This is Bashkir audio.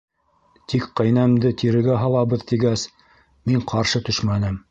Тик ҡәйнәмде тирегә һалабыҙ тигәс, мин ҡаршы төшмәнем.